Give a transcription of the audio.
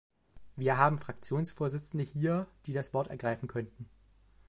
Wir haben Fraktionsvorsitzende hier, die das Wort ergreifen könnten.